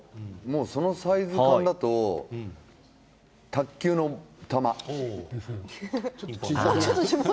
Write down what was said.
そのサイズ感だと卓球の球。